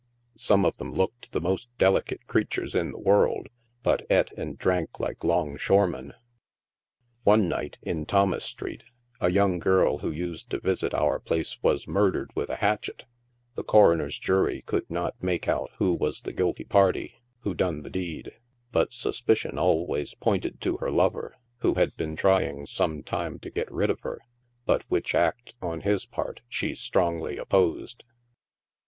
Some of them looked the most delicate creatures in the world, but eat and drank like 'longshoremen. One night, in Thomas street, a young girl who used to visit our place was murdered with a hatchet. The coroner's jury could not make out who was the guilty party who done the deed, but suspi cion always pointed to her lover, who had been trying some time to get rid of her, but which act, on his part, she strongly opposed.